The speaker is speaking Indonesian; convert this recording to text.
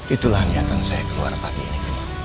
itulah niatan saya keluar pagi ini